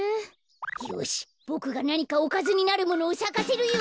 よしボクがなにかおかずになるものをさかせるよ！